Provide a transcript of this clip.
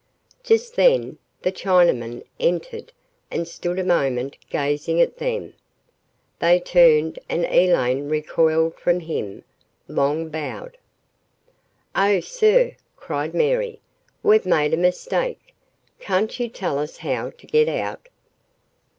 Just then, the Chinaman entered and stood a moment gazing at them. They turned and Elaine recoiled from him. Long bowed. "Oh sir," cried Mary, "We've made a mistake. Can't you tell us how to get out?"